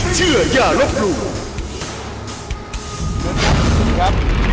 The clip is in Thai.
เชิญครับ